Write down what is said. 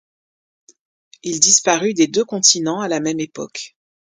Il disparut des deux continents à la même époque.